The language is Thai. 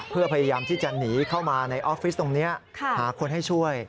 เพื่อพยายามที่จะหนีเข้ามาในออฟฟิศตรงนี้หาคนให้ช่วย